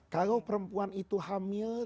kalau perempuan itu hamil